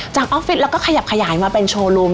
ออฟฟิศแล้วก็ขยับขยายมาเป็นโชว์รูม